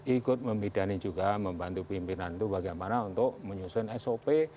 ikut membidani juga membantu pimpinan itu bagaimana untuk menyusun sop